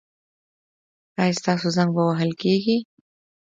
ایا ستاسو زنګ به وهل کیږي؟